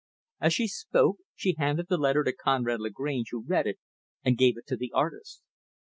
As she spoke, she handed the letter to Conrad Lagrange who read it and gave it to the artist.